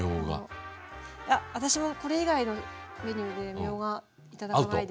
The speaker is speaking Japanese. いや私もこれ以外のメニューでみょうが頂かないです。